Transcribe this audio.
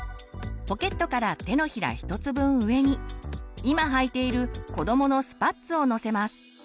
ポケットから手のひら１つ分上に今はいているこどものスパッツを載せます。